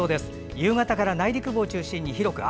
夕方から内陸部を中心に広く雨。